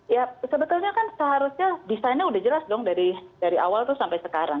ya sebetulnya kan seharusnya desainnya udah jelas dong dari awal tuh sampai sekarang